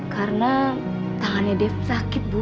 karena tangannya dep sakit bu